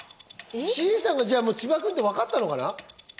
ＣＡさんが千葉くんってわかったのかな？